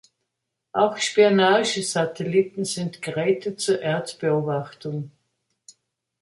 Auch Spionagesatelliten sind Geräte zur Erdbeobachtung.